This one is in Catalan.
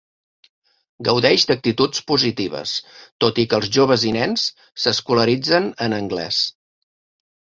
Gaudeix d'actituds positives, tot i que els joves i nens s'escolaritzen en anglès.